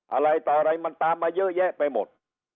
อะไรต่ออะไรมันตามมาเยอะแยะไปหมด